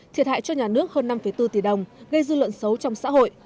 thiệt hại cho nhà nước hơn năm bốn tỷ đồng gây dư luận xấu trong xã hội